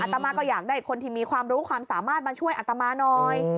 อัตตามาก็อยากได้ความสามารถช่วยอัตตามาน้อย